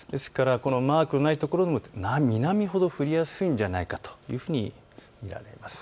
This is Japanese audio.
マークがないところも南ほど降りやすいんじゃないかというふうに見られます。